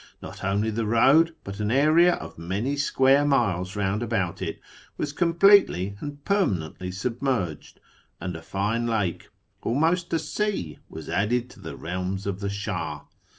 Not only the road, but an area of many square miles round about it, was completely and permanently submerged, and a line lake — almost a sea — was added to the realms of the Shah.